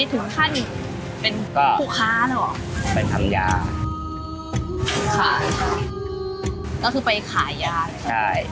ถึงขั้นไปฟูค้าเป็นแถมยาค่ะเราคือไปขายยาใช่